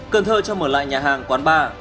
cần thơ cho mở lại nhà hàng quán ba